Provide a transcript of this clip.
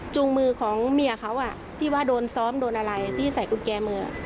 มือของเมียเขาที่ว่าโดนซ้อมโดนอะไรที่ใส่กุญแจมือ